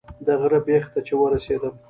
د غره بیخ ته چې ورسېدم.